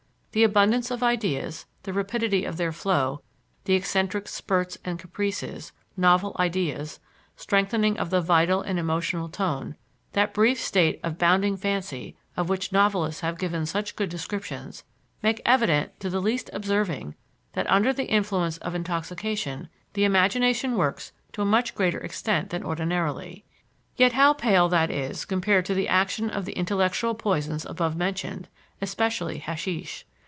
The abundance of ideas, the rapidity of their flow, the eccentric spurts and caprices, novel ideas, strengthening of the vital and emotional tone, that brief state of bounding fancy of which novelists have given such good descriptions, make evident to the least observing that under the influence of intoxication the imagination works to a much greater extent than ordinarily. Yet how pale that is compared to the action of the intellectual poisons above mentioned, especially hashish.